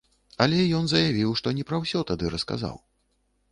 Але ён заявіў, што не пра ўсё тады расказаў.